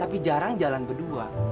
tapi jarang jalan berdua